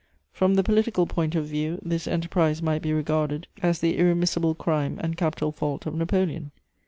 From the political point of view, this enterprise might be regarded as the irremissible crime and capital fault of Napoleon.